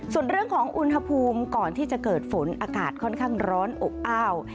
ส่วนเรื่องของอุณหภูมิก่อนที่จะเกิดฝนอากาศค่อนข้างร้อนอบอ้าว